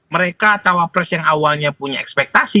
mereka cawa pres yang awalnya punya ekspektasi